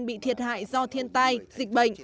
bị thiệt hại do thiên tai dịch bệnh